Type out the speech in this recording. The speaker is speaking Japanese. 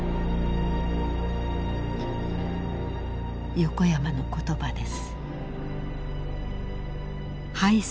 横山の言葉です。